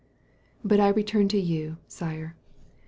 But I return to you, Sire.